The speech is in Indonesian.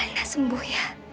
asal saya sembuh ya